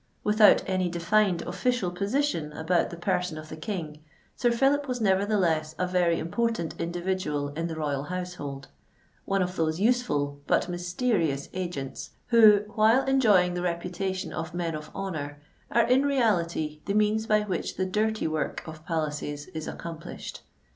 Without any defined official position about the person of the King, Sir Phillip was nevertheless a very important individual in the royal household—one of those useful, but mysterious agents who, while enjoying the reputation of men of honour, are in reality the means by which the dirty work of palaces is accomplished.